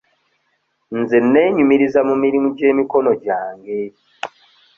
Nze neenyumiriza mu mirimu gy'emikono gyange.